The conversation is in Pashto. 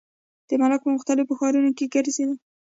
د ملک پۀ مختلفو ښارونو کښې ګرزيدو ۔